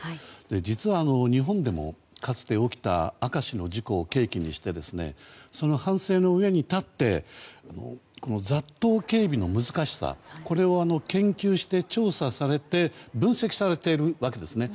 実は、日本でもかつて起きた明石の事故を契機にしてその反省の上に立ってこの雑踏警備の難しさを研究して調査されて分析されているわけですね。